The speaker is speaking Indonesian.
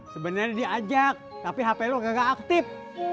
sebenernya diajak tapi hp lu gak aktif